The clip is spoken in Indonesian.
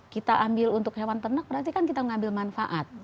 kita ambil untuk hewan ternak berarti kan kita mengambil manfaat